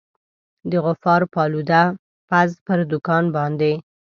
د غفار پالوده پز پر دوکان باندي.